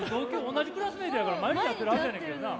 同じクラスメートだから毎日会ってるはずやねんけどな。